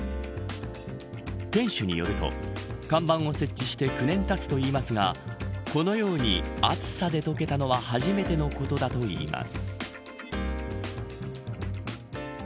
店主によると、看板を設置して９年たつと言いますがこのように暑さで溶けたのは初めてのことだといいます。